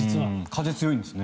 風、強いんですね。